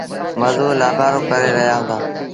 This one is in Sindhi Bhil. مزور لآبآرو ڪري رهيآ هُݩدآ۔